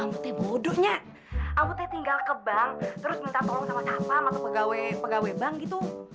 amu teh bodohnya amu teh tinggal ke bank terus minta tolong sama sapa atau pegawai pegawai bank gitu